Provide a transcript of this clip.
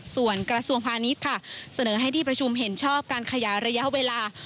ส่วนกระทรวงพาณิชย์ค่ะเสนอให้ที่ประชุมเห็นชอบการขยายระยะเวลา